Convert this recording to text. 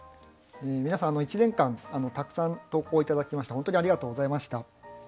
皆さん１年間たくさん投稿頂きまして本当にありがとうございました。